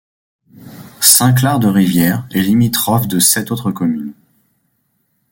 Saint-Clar-de-Rivière est limitrophe de sept autres communes.